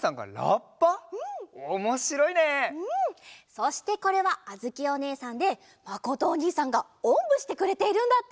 そしてこれはあづきおねえさんでまことおにいさんがおんぶしてくれているんだって。